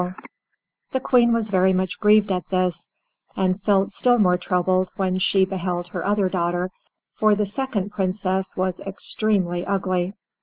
The Queen was very much grieved at this, and felt still more troubled when she beheld her other daughter, for the second Princess was extremely ugly.